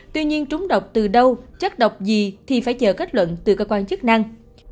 tuy nhiên trúng độc từ đâu chất độc gì thì phải chờ kết luận từ cơ quan chức năng